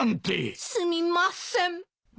すみません。